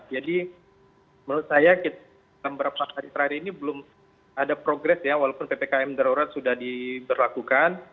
jadi menurut saya dalam beberapa hari terakhir ini belum ada progres ya walaupun ppkm darurat sudah diberlakukan